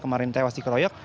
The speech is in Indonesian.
kemarin tewas di kroyok